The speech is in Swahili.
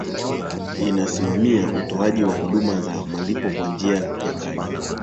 inasimamia utoaji wa huduma za malipo kwa njia ya kadi